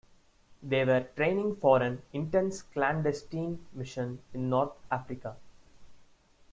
They were training for an intense clandestine mission in North Africa.